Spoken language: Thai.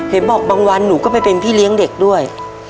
เห็นบอกบางวันหนูก็ไปเป็นพี่เลี้ยงเด็กด้วย